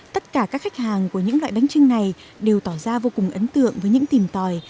tất cả các khách hàng của những loại bánh trưng này đều tỏ ra vô cùng ấn tượng với những tìm tòi